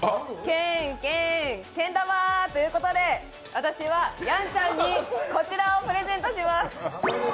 けん、けん、けん玉ということで私はやんちゃんに、こちらをプレゼントします。